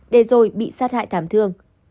để rồi bị sát hại thảm thương